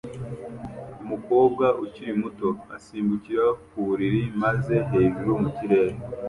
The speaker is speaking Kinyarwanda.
Umukobwa ukiri muto asimbukira ku buriri maze hejuru mu kirere